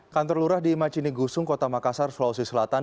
kantor lurah di macinigusung kota makassar sulawesi selatan